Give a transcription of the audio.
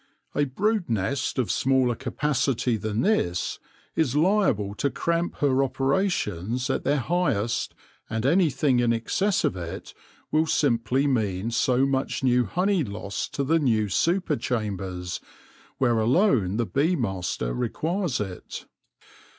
A brood nest of smaller capacity than this is liable to cramp her operations at their highest, and anything in excess of it will simply mean so much new honey lost to the super chambers, where alone the bee master requires it.